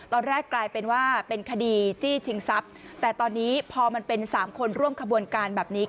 กลายเป็นว่าเป็นคดีจี้ชิงทรัพย์แต่ตอนนี้พอมันเป็นสามคนร่วมขบวนการแบบนี้